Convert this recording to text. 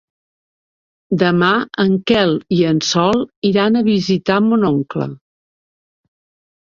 Demà en Quel i en Sol iran a visitar mon oncle.